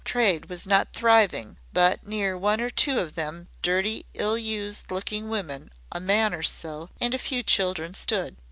Trade was not driving, but near one or two of them dirty, ill used looking women, a man or so, and a few children stood.